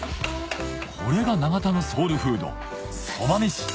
これが長田のソウルフード